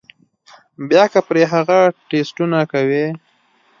بيا کۀ پرې هغه ټسټونه کوي